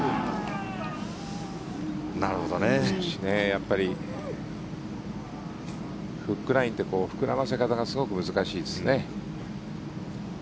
やっぱりフックラインって膨らませ方がすごく難しいですね。